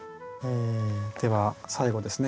では最後ですね。